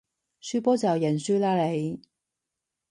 輸波就認輸啦你